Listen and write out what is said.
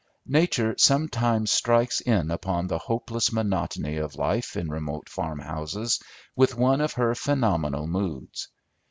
Nature sometimes strikes in upon the hopeless monotony of life in remote farmhouses with one of her phenomenal moods.